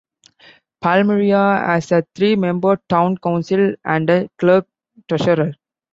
Palmrya has a three-member Town Council and a Clerk Treasurer.